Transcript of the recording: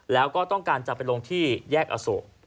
แล้วก็ต้องการจะไปลงที่แยกอโศก